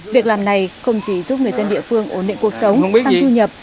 việc làm này không chỉ giúp người dân địa phương ổn định cuộc sống tăng thu nhập